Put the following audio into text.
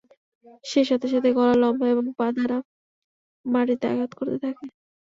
সে সাথে সাথে গলা লম্বা এবং পা দ্বারা মাটিতে আঘাত করতে থাকে।